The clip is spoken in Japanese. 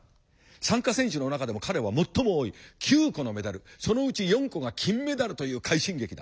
参加選手の中でも彼は最も多い９個のメダルそのうち４個が金メダルという快進撃だ。